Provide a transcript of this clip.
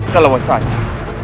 ke lawan saja